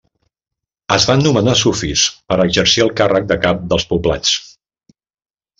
Es van nomenar sufís per exercir el càrrec de cap dels poblats.